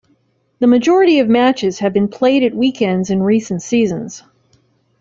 The majority of matches have been played at weekends in recent seasons.